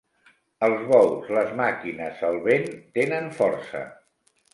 Els bous, les màquines, el vent, tenen força.